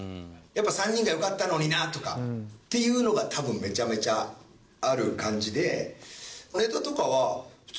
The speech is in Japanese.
「やっぱ３人がよかったのにな」とかっていうのが多分めちゃめちゃある感じで。